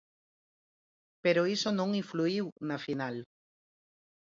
Pero iso non influíu na final.